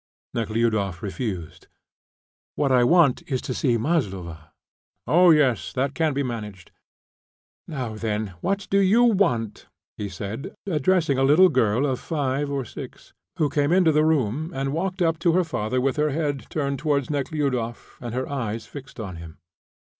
Nekhludoff refused. "What I want is to see Maslova." "Oh, yes, that can be managed. Now, then, what do you want?" he said, addressing a little girl of five or six, who came into the room and walked up to her father with her head turned towards Nekhludoff, and her eyes fixed on him.